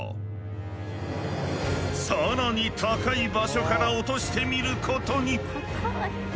更に高い場所から落としてみることに。